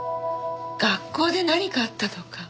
学校で何かあったとか？